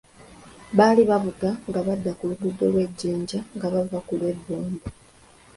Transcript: Baali bavuga nga badda ku luguudo lw'e Jjinja nga bava ku lw'e Bombo.